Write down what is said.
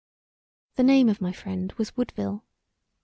The name of my friend was Woodville.